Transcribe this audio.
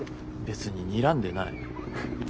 別ににらんでない。